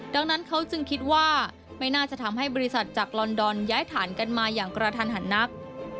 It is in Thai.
ดังนั้นเขาจึงคิดว่าไม่น่าจะทำให้บริษัทจากลอนดอนย้ายฐานกันมาอย่างกระทันหันนัก